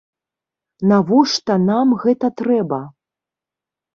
Навошта нам гэта трэба?